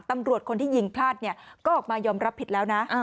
ตำรวจคนที่ยิงพลาดเนี่ยก็ออกมายอมรับผิดแล้วนะ